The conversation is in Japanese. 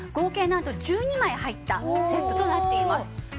なんと１２枚入ったセットとなっています。